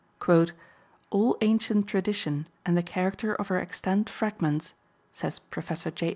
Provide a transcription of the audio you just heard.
"All ancient tradition and the character of her extant fragments," says Prof. J.